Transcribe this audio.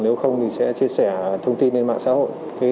nếu không thì sẽ chia sẻ thông tin lên mạng xã hội